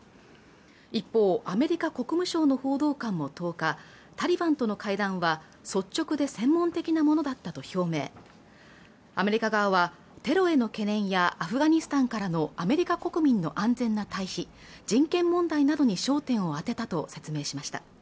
一方アメリカ国務省の報道官も１０日タリバンとの会談は率直で専門的なものだったと表明アメリカ側はテロへの懸念やアフガニスタンからのアメリカ国民の安全な退避人権問題などに焦点を当てたと説明しました